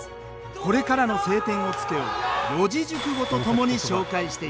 これからの「青天を衝け」を四字熟語と共に紹介していきます。